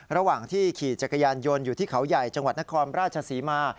ระหว่างที่ขี่จักรยานยนต์อยู่ที่เขาใหญ่จังหวัดนครราชศรีมา